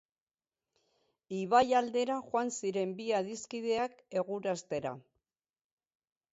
Ibai aldera joan ziren bi adiskideak egurastera.